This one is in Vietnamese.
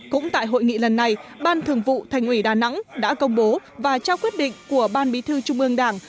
cũng tại hội nghị lần này ban thường vụ thành ủy đà nẵng đã công bố và trao quyết định của ban bí thư trung ương đảng